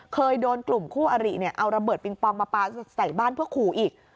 เคยโดนกลุ่มคู่อริเอาระเบิดปิงปองมาปลาใส่บ้านเพื่อขู่อีก